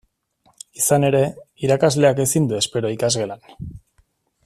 Izan ere, irakasleak ezin du espero ikasgelan.